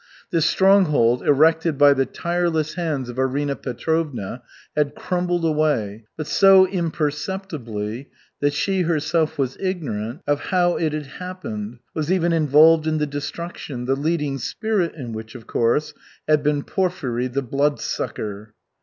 This stronghold, erected by the tireless hands of Arina Petrovna, had crumbled away, but so imperceptibly that she herself was ignorant of how it had happened, was even involved in the destruction, the leading spirit in which, of course, had been Porfiry the Bloodsucker.